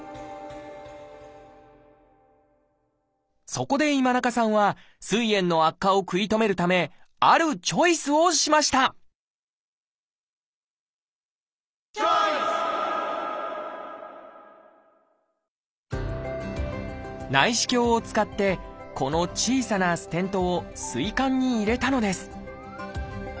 そこで今中さんはすい炎の悪化を食い止めるためあるチョイスをしました内視鏡を使ってこの小さなステントをすい管に入れたのです